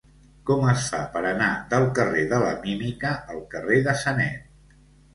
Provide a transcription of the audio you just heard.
Com es fa per anar del carrer de la Mímica al carrer de Sanet?